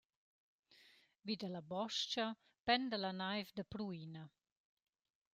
Vi da la bos-cha penda la naiv da pruina.